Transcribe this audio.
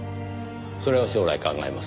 それは将来考えます。